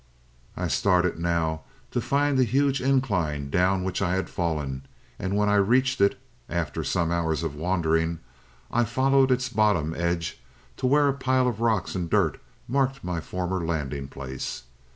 "I started now to find the huge incline down which I had fallen, and when I reached it, after some hours of wandering, I followed its bottom edge to where a pile of rocks and dirt marked my former landing place.